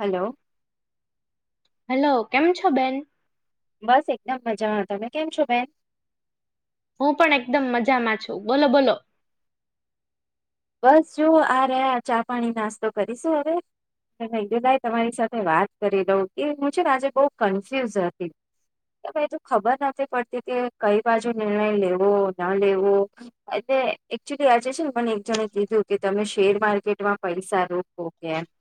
Hello- - hello કેમ છો બેન? બસ એકદમ મજામાં તમે કેમ છો બેન? હું પણ એકદમ મજામાં છું બોલો બોલો- - બસ જોુ આ રહ્યા ચા પાણી નાસ્તો કરીશું અરે- - બલાાઈ તમારી સાથે વાત કરી દઉં એ હું છે ને આજે બહુ કન્ફ્યુઝ હતી. કે ભાઈ તો ખબર નથી પડતી કે કઈ બાજુ નિર્ણય લેવો ના લેવો- - એટલે એકચુલી આજ છે ને પણ એક જણે- - કીધું કે તમે શેર માર્કેટમાં પૈસા રોકો કેમ- -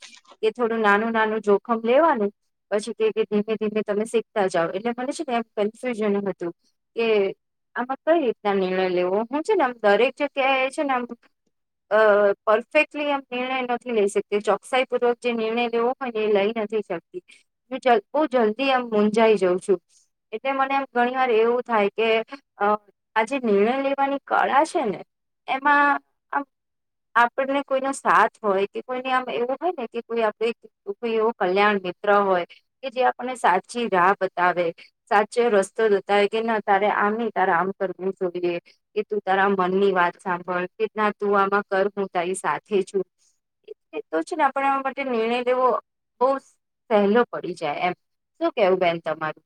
એ થોડું નાનું નાનું જોખમ લેવાનું- - પછી ધીમે ધીમે તમે શીખતા જાવ એટલે મને છે કેમ કન્ફ્યુઝન હતું. કે આમાં કઈ રીતના નિર્ણય લેવો હું છે ને આમ દરેક જગ્યા એ છે ને આમ- - અ પરફેક્ટલી આમ નિર્ણય નથી લઈ શકતી ચોકસાઈ પૂર્વક જે નિર્ણય લેવો- - એ લઈ નથી શકતી હ બહુ જલ્દી એમ મુંજાઈ જાઉં છું. એટલે મને આમ ઘણી વાર એવું થાય કે અ- - આજે નિર્ણય લેવાની કળા છે ને એમાં આ- - આપણને કોઈનો સાથ હોય કે કોઈને આમ એવું હોય ને કે કોઈ આપે- - તો કોઈ એવો કલ્યાણ મિત્ર હોય કે જે આપણને સાચી રાહ બતાવે- - સાચો રસ્તો જતા હોય કે તારે આમ નહ તારે આમ કરવું જોઈએ કે તું તારા મનની વાત સાંભળ કે ના તું આમાં કર હું તારી સાથે છું. તો છે ને આપણે એમાં માટે નિર્ણય લેવો બહુજ- - પહેલો પડી જાય એમ શું કેવું બેન તમારું?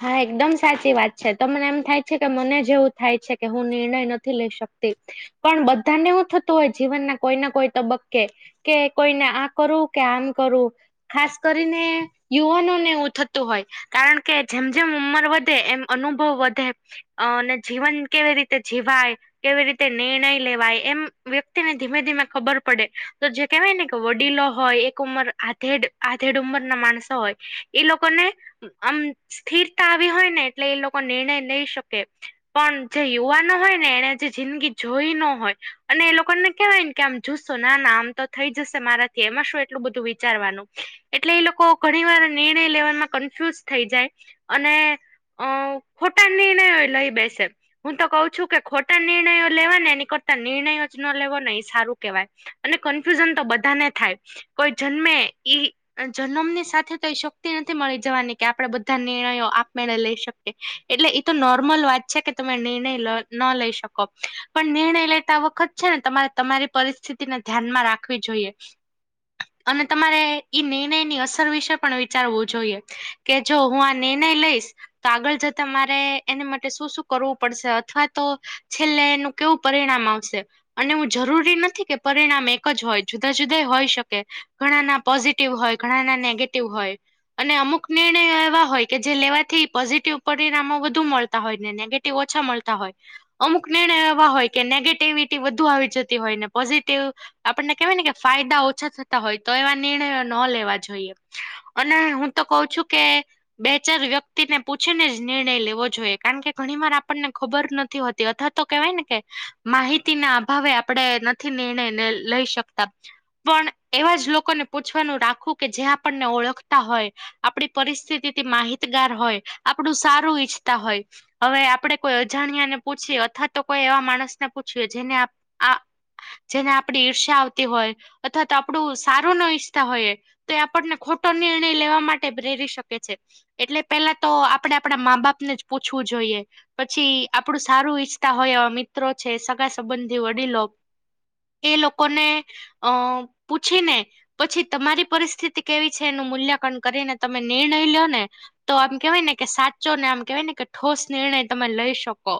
હા એકદમ સાચી વાત છે તમને એમ થાય છે કે મને જેવું થાય છે કે હું નિર્ણય નથી લઈ શકતી. પણ બધાને એવું થતું હોય જીવન ના કોઈ ના કોઈ તબક્કે કે કોઈને આ કરું કે આમ કરું ખાસ કરીને યુવાનોને એવું થતું હોય કારણ- - કે જેમ જેમ ઉંમર વધે એમ અનુભવ વધે- - અ ને જીવન કેવી રીતે જીવાય- - કેવી રીતે નિર્ણય લેવાય એમ વ્યક્તિને ધીમે ધીમે ખબર પડે તો જે કેવાય ને કે વડીલો હોય એક ઉંમર આધેડ આધેડ ઉંમર ના માણસો હોય એ લોકોને આમ સ્થિરતા આવી હોય ને એટલે એ લોકો નિર્ણય લઈ શકે પણ જે યુવાનો હોય ને એને જે જિંદગી જોઈ ન હોય અને એ લોકોને કેવાય ને કે આમ જુશો ના નામ તો થઈ જશે મારાથી એમાં શું એટલું બધું વિચારવાનું એટલે એ લોકો ઘણી વાર નિર્ણય લેવામાં કન્ફ્યુઝ થઈ જાય અને અ ખોટા નિર્ણયો લઈ બેસે હું તો કઉ છું કે ખોટા નિર્ણયો લેવા ને એની કરતા નિર્ણયો જ ન લેવો ને એ સારું કેહેવાય અને કન્ફ્યુઝન તો બધાને થાય કોઈ જન્મે ઈ જન્મની સાથે તો એ શક્તિ નથી મળી જવાની કે આપડે બ બધા નિર્ણયો આપમે લઈ શકીએ એટલે એ તો નોર્મલ વાત છે કે તમે નિર્ણય લો ન લઈ શકો પણ નિર્ણય લેતા વખત છે ને તમારે તમારી પરિસ્થિતિને ધ્યાનમાં રાખવી જોઈએ અને તમારે ઈ નિર્ણયની અસર વિશે પણ વિચારવું જોઈએ કે જો હું આ નિર્ણય લઈશ તો આગળ જતા મારે એની માટે શું શું કરવું પડશે અથવા તો છેલ્લે એનું કેવું પરિણામ આવશે અને હું જરૂરી નથી કે પરિણામ એક જ હોય જુદા જુદા હોય શકે ઘણા ના પોઝિટિવ હોય ઘણાના નેગેટિવ હોય અને અમુક ને એવા હોય કે જે લેવાથી પોઝિટિવ પરિણામો વધુ મળતા હોય ને નેગેટિવ ઓછા મળતા હોય અમુક નિર્ણયો એવા હોય કે નેગેટિવિટી વધુ આવી જતી હોય ને પોઝિટિવ આપણને કેવાય ને કે ફાયદા ઓછા થતા હોય તો એવા નિર્ણયો ન લેવા જોઈએ અને હું તો કઉ છું કે બે ચાર વ્યક્તિને પૂછીને જ નિર્ણય લેવો જોઈએ કારણ કે ઘણી વાર આપણને ખબર નથી હો અથવા તો કેવાય ને કે માહિતી ના અભાવે આપડે નથી નિર્ણયને લઈ શકતા પણ એવા જ લોકોને પૂછવાનું રાખવું કે જે આપણને ઓળખતા હોય આપડી પરિસ્થિતિથી માહિતગાર હોય આપડુ સારું ઈચ્છતા હોય હવે આપડે કોઈ અજાણ્યા ને પૂછએ અથવા તો કોઈ એવા માણસને પૂછ્યે જેને આપ આ જેને આપડી ઈર્ષ્યા આવતી હોય અથવા તો આપડુ સારું ન ઈચ્છતા હોય તો એ આપણને ખોટો નિર્ણય લેવા માટે પ્રેરી શકે છે એટલે પેલા તો આપડે આપડા મા બાપને જ પૂછવું જોઈએ પછી આપડું સારું ઈચ્છતા હોય એવા મિત્રો છે સગા સંબંધી વડીલો એ લોકો ને અ પૂછીને પછી તમારી પરિસ્થિતિ કેવી છે એનું મૂલ્યાંકન કરીને તમે નિર્ણય લો ને તો આમ કેવાય ને કે સાચો ને આમ કેવાય ને કે ઠોસ નિર્ણય તમે લઈ શકો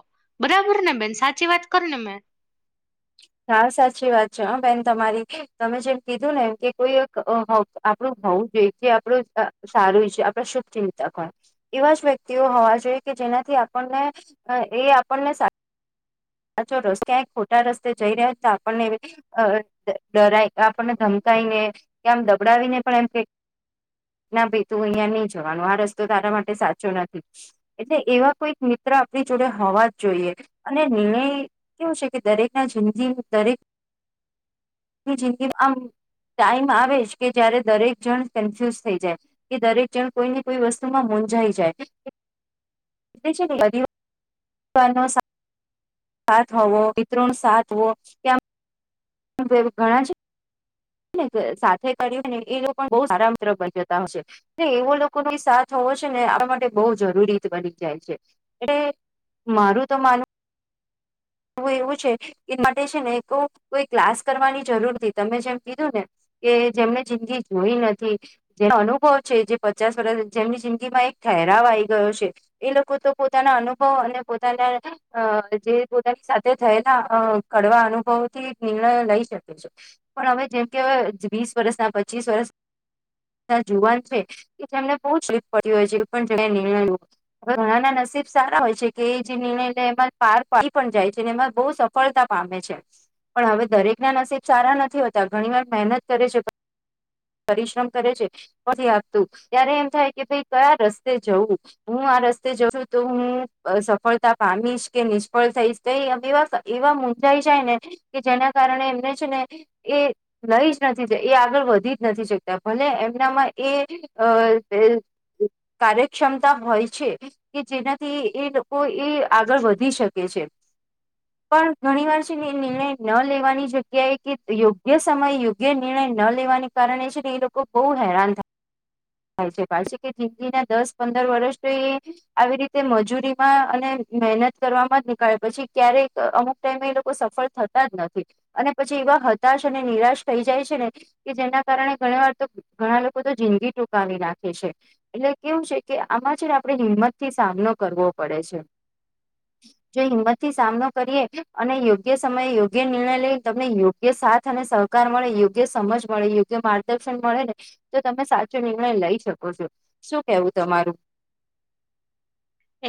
બરાબર ને બેન સાચી વાત કરુ ને મેં હા સાચી વાત છે હ બેન તમારી તમે જેમ કીધું ને એમ કે કોઈ એક આપડુ હોવ જોઈ છે આપડુ સારું છે આપડે શુભ ચિંતા હો એવા જ વ્યક્તિઓ હોવા જોઈએ કે જેનાથી આપણને એ આપણને સા સાચો રસ્તે ક્યાંક ખોટા રસ્તે જઈ રહ્યા છે આપણને એ અ ડરાય આપણને ધમકઈને કે આમ દબડાવીને પણ એમ કે ના ભાઈ તું અહિયાં નહી જવાનું આ રસ્તો તારા માટે સાચો નથી એટલે એવા કોઈ મિત્ર આપડી જોડે હોવા જ જોઈએ અને નિર્ણય કેવું છે કે દરેક ના જિંદગી દરેક કે જિંદગી આમ ટાઈમ આવે જ કે જયારે દરેક જણ કન્ફ્યુઝ થઈ જાય. કે દરેક જણ કોઈને કોઈ વસ્તુમાં મૂંઝાઈ જાય. એટલે છે ને [inaudible] સાથ હોવો મિત્રોનો સાથ હોવો એ આમ ઘણા છે ને સાથે કર્યું ને એ લોકો પણ બહુ સારા મિત્રો બની જતા હોય છે. ને એવો લોકોનો બી સાથ હોવો છે ને આપણા માટે બહુ જરૂરી બની જાય છે. એટલે મારું તો માનવું તો એવું છે એ માટે છે ને કો કોઈ ક્લાસ કરવાની જરૂર નથી. તમે જેમ કીધું ને કે જેમને જિંદગી જોઈ નથી. જેનો અનુભવ છે જે પચાસ વર્ષ જેમની જિંદગીમાં એક ઠેરાવ આઈ ગયો છે. એ લોકો તો પોતાના અનુભવ અને પોતાના અ જે પોતાની સાથે થયેલા અ કડવા અનુભવોથી નિર્ણયો લઈ શકે છે. પણ હવે જેમ કે હવે વીસ વર્ષ આ પચીસ વર્ષ ના જુવાન છે. એ તેમને બહુ તકલીફ પડતી હોય છે તો પણ તે નિર્ણયો હવે ઘણા ના નસીબ સારા હોય છે કે એ જે નિર્ણય લે એમાં પાર પડી પણ જાય છે. ને એમાં બહુ સફ સફળતા પામે છે. પણ હવે દરેકના નસીબ સારા નથી હોત તા ઘણી વાર મહેનત કરે છે, પરિશ્રમ કરે છે. નથી આપતું. ત્યારે એમ થાય કે ભાઈ કયા રસ્તે જવું. હું આ રસ્તે જઉં છું તો હું સફળતા પામીશ કે, નિષ્ફળ થઈશ. તો એ એવા એવા મુંજાઈ જાય ને કે જેના કારણે એમને છે ને એ લઈ જ નથી એ આગળ વધી જ નથી શકતા, ભલે એમનામાં એ અ કાર્યક્ષમતા હોય છે. કે જેનાથી એ લોકો એ આગળ વધી શકે છે. પણ ઘણી વાર છે ને એ નિર્ણય ન લેવાની જગ્યાએ કે યોગ્ય સમય યોગ્ય નિર્ણય ન લેવાને કારણે છે ને એ લોકો બહુ હેરાન થાય. થાય છે પાછે છે કે જિંદગીના દસ પંદર વર્ષ તો એ આવી રીતે મજૂરીમાં અને મહેનત કરવામાં જ નીકાળે. પછી ક્યારેક અમુક ટાઈમે એ લોકો સફળ થતા જ નથી. અને પછી એવા હતાશ અને નિરાશ થઇ જાય છે ને કે જેના કારણે ઘણી વાર તો ઘણા લોકો તો જિંદગી ટૂંકાવી નાખે છે. એટલે કેવું છે કે આમાં છે ને આપણે હિંમતથી સામનો કરવો પડે છે. જો હિંમતથી સામનો કરીએ અને યોગ્ય સમયે યોગ્ય નિર્ણય લઈ તમને યોગ યોગ્ય સાથ અને સહકાર મળે, યોગ્ય સમજ મળે, યોગ્ય માર્ગદર્શન મળે ને તો તમે સાચો નિર્ણય લઈ શકો છો. શું કેવું તમારું?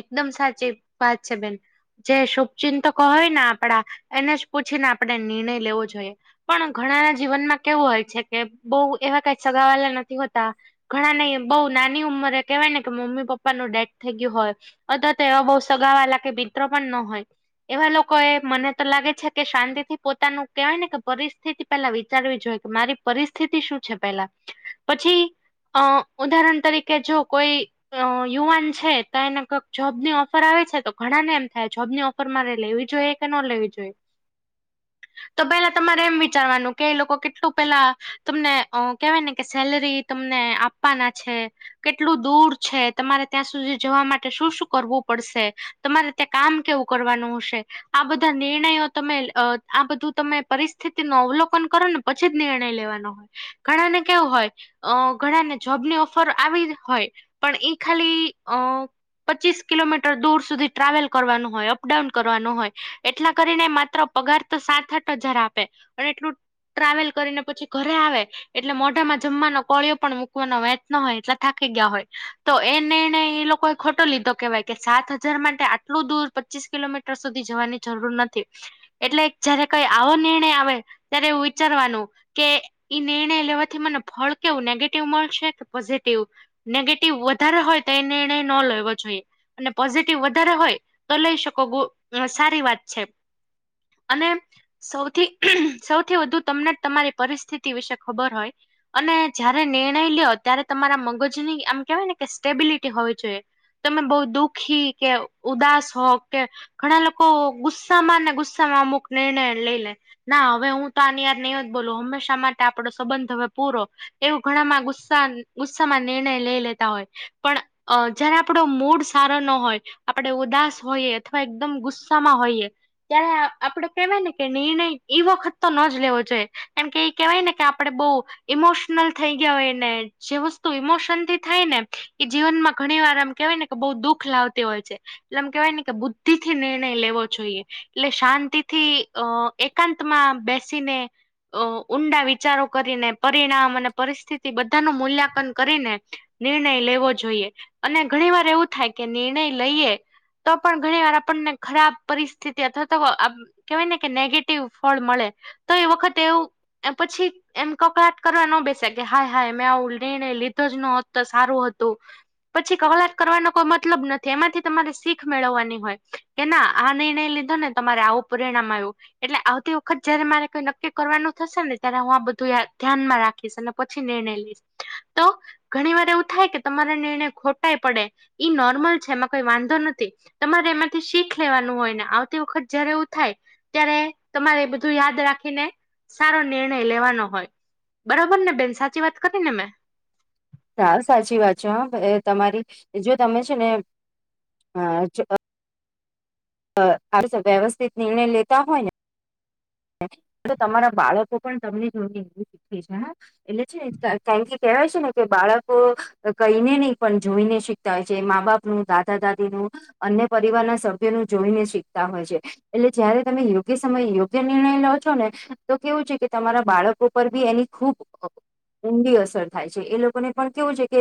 એકદમ સાચી વાત છે બેન. જે શુભચિંતકો હોય ને આપડા એને જ પૂછીને આપણે નિર્ણય લેવો જોઈએ. પણ ઘણાના જીવનમાં કેવું હોય છે કે બહુ એવા કઈ સગાવાલા નથી હોતા. ઘણા ને બહુ નાની ઉંમરે કહેવાય ને કે મમ્મી પપ્પાનું ડેથ થઈ ગયું હોય. અથવા તો એવા બહુ સગાવાલા કે મિત્રો પણ ન હોય. એવા લોકો એ મને તો લાગે છે કે શાંતિથી પોતાનું કેહેવાય ને કે પરિસ્થિતિ પેલા વિચારવી જોઈએ કે મારી પરિસ્થિતિ શું છે પેલા. પછી અ ઉદાહરણ તરીકે જો કોઈ અ યુવાન છે તો એના કાક જોબની ઓફર આવી છે તો ઘણા ને એમ થાય જોબની ઓફર મારે લેવી જોઈએ કે ન લેવી જોઈએ. [inaudible] તો પેલા તમારે એમ વિચારવાનું કે એ લોકો કેટલું પેલા તમને અ કેહેવાય ને કે સેલરી તમને આપવાના છે, કેટલું દૂર છે, તમારે ત્યાં સુધી જવા માટ ટે શું શું કરવું પડશે, તમારે ત્યાં કામ કેવું કરવાનું હશે. આ બધા નિર્ણયો તમે આ બધું તમે પરિસ્થિતિનું અવલોકન કરો ને. પછી જ નિર્ણય લેવાનો હોય. ઘણા ને કેવું હોય અ ઘણા ને જોબની ઓફર આવી હોય પણ એ ખાલી અ પચીસ કિલોમીટર દૂર સુધી ટ્રાવેલ કરવાનું હોય અપડાઉન કરવાનું હોય. એટલા કરીને માત્ર પગાર તો સાત આઠ હજાર આપે અને એટલું ટ્રાવેલ કરીને પછી ઘરે આવે એટલે મોઢામાં જમવાનો કોળીયો પણ મૂકવાનો વચ ન હોય એટલા થાકી ગયા હોય. તો એ નિર્ણય એ લોકો. ખોટો લીધો કેહેવાય કે સાત હજાર માટે આટલું દૂર પચીસ કિલોમીટર સુધી જવાની જરૂર નથી. એટલે જયારે કઈ આવો નિર્ણય આવે ત્યારે એ વિચારવાનું. કે ઈ નિર્ણય લેવાથી મને ફળ કેવું નેગેટિવ મળશે કે પોઝિટિવ નેગેટિવ વધારે હોય તો એ નિર્ણય ન લેવો જોઈએ. અને પોઝિટિવ વધારે હોય તો લઈ શકો સારી વાત છે. અને સૌથી સૌથી વધુ તમને તમારી પરિસ્થિતિ વિશે ખબર હોય. અને જયારે નિર્ણય લ્યો ત્યારે તમારા મગજની આમ કેહેવાય ને કે સ્ટેબિલિટી હોય. તમે બઉુ દુઃખી કે ઉદાસ હો કે. ઘણા લોકો ગુસ્સામાં ને ગુસ્સામાં અમુક નિર્ણય લઈ લે. ના હવે હું તો આનીયાર નહી જ બોલું હંમેશા માટે આપડો સંબંધ હવે પૂરો એવું ઘણામાં ગુસ્સા ગુસ્સામાં નિર્ણય લઈ લેતા હોય પણ અ જયારે આપણો મૂડ સારો ન હોય. આપણે ઉદાસ હોઈએ અથવા એકદમ ગુસ્સામાં હોઈએ ત્યારે આપડે કેહેવાય ને કે નિર્ણય એઈ વખત તો ન જ લેવો જોઈએ. કારમ કે એ કેહેવાય ને કે આપડે બહુ ઈમોશનલ થઈ ગયા હોયને જે વસ્તુ ઈમોશન થી થાય ને એ જીવનમાં ઘણી વાર આમ કેહેવાય ને કે બઉુ દુઃખ લાવતી હોય છે. એટલેમ કેવાય ને કે બુદ્ધિ થી નિર્ણય લેવો જોઈએ. એટલે શાંતિથી અ એકાંતમાં બેસીને અ ઊંડા વિચારો કરીને પરિણામ અને પરિસ્થિતિ બધા ન મૂલ્યાંકન કરીને નિર્ણય લેવો જોઈએ અને ઘણી વાર એવું થાય કે નિર્ણય લઈએ. તો પણ ઘણી વાર આપણને ખરાબ પરિસ્થિતિ અથવા તો કેવાય ને કે નેગેટિવ ફળ મળે તો એ વખત એવું પછી એમ કકલાટ કરવા ન બેસે કે હાય હાય મેં આવું નિર્ણય લીધો જ નત તો સારું હતું. પછી કલાત કરવાનો કોઈ મતલબ નથી એમાંથી તમારે શીખ મેળવવાની હોય કે ના આ નિર્ણય લીધો ને તમારે આવું પરિણામ આવ્યું. એટલે આવતી વખત જયારે મારે કોઈ નક્કી કરવાનું થશે ને ત્યારે હું આ બધું ધ્યાનમાં રાખીશ પછી નિર્ણય લઈશ તો ઘણી વાર એવું થાય કે તમારા નિર્ણય ખોટાઈ પડે ઈ નોર્મલ છે એમાં કઈ વાંધો નથી. તમારે એમાંથી શીખ લેવાનું હોય ને આવતી વખત જયારે એવું થાય. ત્યારે તમારે બધું યાદ રાખીને સારો નિર્ણય લેવાનો હોય. બરોબર ને બેન સાચી વાત કરીને મેં હા સાચી વાત છે હ તમારી જો તમે છે ને વ્યવસ્થિત નિર્ણય લેતા હોય ને. તમારા બાળકો પણ તમને જ એ શીખી છે હ એટલે છે કારણ કે કહેવાય છે ને કે બાળકો કઈને નહી પણ જોઈને શીખ શીખતા હોય છે મા બાપનું દાદા દાદી નું અન્ય પરિવાર ના સભ્યો નું જોઈને શીખતા હોય છે. એટલે જયારે તમે યોગ્ય સમયે યો. જે નિર્ણય લો છો ને તો કેવું છે કે તમારા બાળકો પર બી એની ખૂબ ઊંઘી અસર થાય છે એ લોકોને પણ કેવું છે કે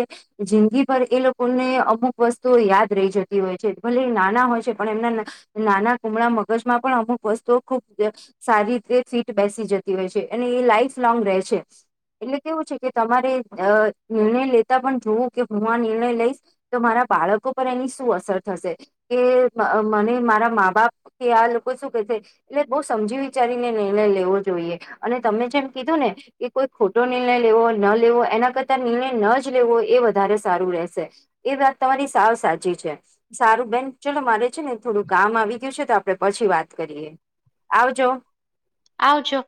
જિંદગી પર એ લોકોને અમુક વસ્તુઓ યાદ રહી જતી હોય છે ભલે નાના હોય છે પણ એમના નાના કુમળા મગજ માં પણ અમુક વસ્તુઓ ખુબ સારી રીતે ફીટ બેસી જતી હોય છે અને એ લાઈફ લોંગ રહે છે. એટલે કેવુ છે, કે તમારે નિર્ણય લેતા પણ જોવું કે હુ આ નિર્ણય લઈશ. તો મારા બાળકો પર એની શું અસર થશે. કે મને મારા મા બાપ કે આ લોકો શું કે છે. એટલે બહુ સમજી વિચારીને નિર્ણય લેવો જોઈએ અને તમે જેમ કીધુ ને કે કોઈ ખોટો નિર્ણય લેવો ન લેવો એના કરતા નિર્ણય ન જ લેવો એ વધારે સારુ રહેશે એ વાત તમારી સાવ સાચી છે. સારું બેન ચલો મારે છેને, થોડુ કામ આવી ગયુ છે, તો આપડે પછી વાત કરીએ આવજો આવજો